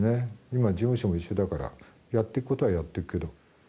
今事務所も一緒だからやっていく事はやっていくけど。